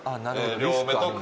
両目と口